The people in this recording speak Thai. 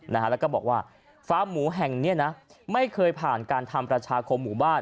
แล้วก็บอกว่าฟาร์มหมูแห่งนี้นะไม่เคยผ่านการทำประชาคมหมู่บ้าน